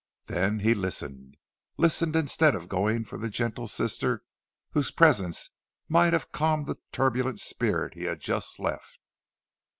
Then he listened listened instead of going for the gentle sister whose presence might have calmed the turbulent spirit he had just left.